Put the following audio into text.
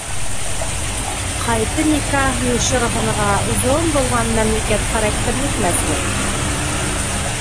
قايتا نىكاھ يوشۇرۇنغىنىغا ئۇزۇن بولغان مەملىكەت خاراكتېرلىك مەسىلە.